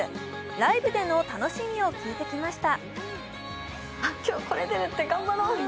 ライブでの楽しみを聞いてきました。